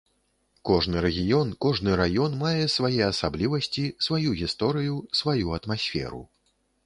Кожны рэгіён, кожны раён мае свае асаблівасці, сваю гісторыю, сваю атмасферу.